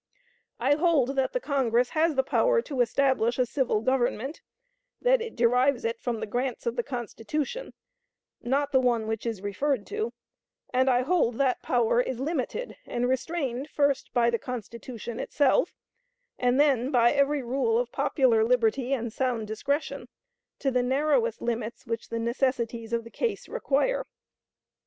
I hold that the Congress has power to establish a civil government; that it derives it from the grants of the Constitution not the one which is referred to; and I hold that that power is limited and restrained, first, by the Constitution itself, and then by every rule of popular liberty and sound discretion, to the narrowest limits which the necessities of the case require.